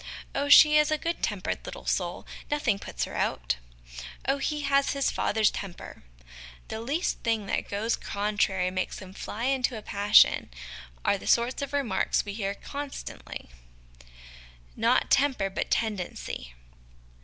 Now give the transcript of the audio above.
' Oh, she is a good tempered little soul ; nothing puts her out !'' Oh, he has his father's temper; the least thing that goes contrary makes him fly into a passion,' are the sorts of remarks we hear constantly Not Temper, but Tendency.